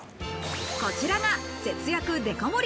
こちらが節約デカ盛り